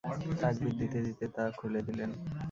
তাকবীর দিতে দিতে তা খুলে দিলেন।